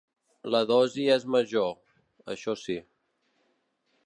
La dosi és major, això sí.